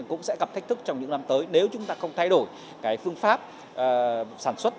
cũng sẽ gặp thách thức trong những năm tới nếu chúng ta không thay đổi cái phương pháp sản xuất